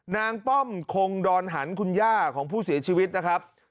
ป้อมคงดอนหันคุณย่าของผู้เสียชีวิตนะครับ